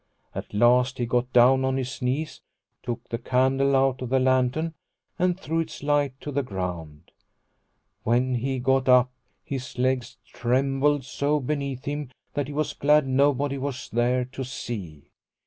At last he got down on his knees, took the candle out of the lantern, and threw its light to the ground. When he got up, his legs trembled so beneath The Fox pit 119 him that he was glad nobody was there to see.